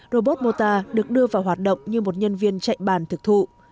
robot mota được đưa vào hoạt động như một nhân viên chạy bàn thực thụ